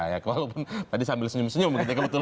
walaupun tadi sambil senyum senyum